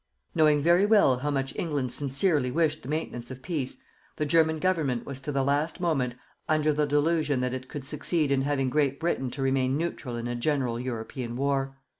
Knowing very well how much England sincerely wished the maintenance of peace, the German Government was to the last moment under the delusion that it could succeed in having Great Britain to remain neutral in a general European war.